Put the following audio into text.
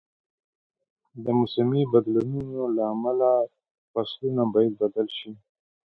د موسمي بدلونونو له امله فصلونه باید بدل شي.